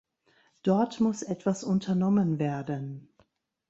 Dort muss etwas unternommen werden.